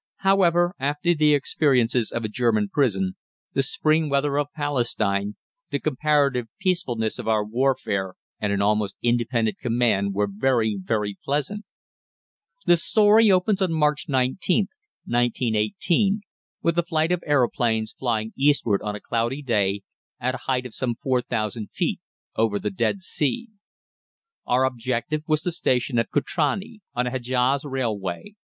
However, after the experiences of a German prison, the spring weather of Palestine, the comparative peacefulness of our warfare, and an almost independent command were very, very pleasant. The story opens on March 19th, 1918 with a flight of aeroplanes flying eastward on a cloudy day, at a height of some 4000 feet, over the Dead Sea. Our objective was the station of Kutrani, on the Hedjaz Railway.